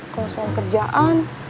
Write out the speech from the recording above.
kalau soal kerjaan